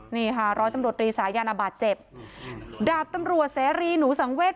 นี่ค่ะร้อยตำรวจรีสายันบาดเจ็บดาบตำรวจเสรีหนูสังเวท